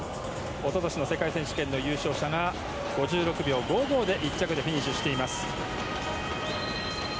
一昨年の世界選手権の優勝者が５６秒５５で１着でフィニッシュしています。